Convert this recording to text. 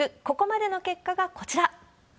ここまでの結果がこちら。